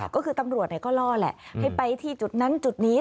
ก็คือตำรวจก็ล่อแหละให้ไปที่จุดนั้นจุดนี้